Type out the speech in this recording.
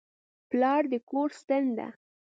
پلار د کور ستن ده.